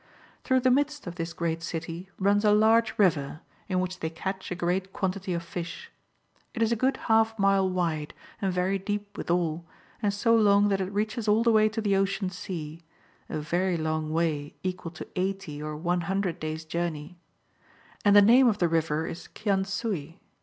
Through the midst of this great city runs a large river, in which they catch a great quantity of fish. It is a good half mile wide, and very deep withal, and so long that it reaches all the way to the Ocean Sea, — a very long way, equal to 80 or 100 days' journey. And the name of the River is Kian suy.